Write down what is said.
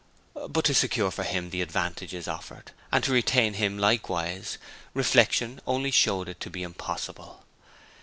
But to secure for him the advantages offered, and to retain him likewise; reflection only showed it to be impossible.